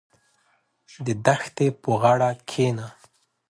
• د دښتې په غاړه کښېنه.